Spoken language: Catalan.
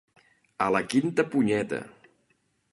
A la quinta punyeta.